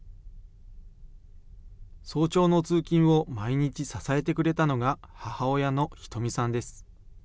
早朝の通勤を毎日支えてくれたのが母親の仁美さんです。